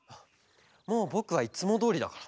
もうぼくはいつもどおりだから。